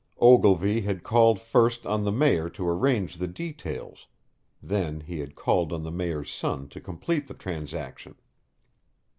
Ogilvy had called first on the Mayor to arrange the details; then he had called on the Mayor's son to complete the transaction.